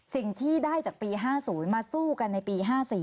สิ่งที่ได้จากปี๕๐มาสู้กันในปี๕๔